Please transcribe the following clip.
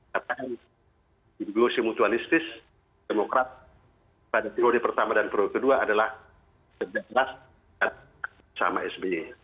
katanya di situ si mutualistis demokrat pada perodi pertama dan perodi kedua adalah sederhana sama sbi